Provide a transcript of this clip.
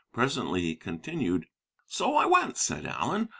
Presently he continued: "'So I went,' said Allen.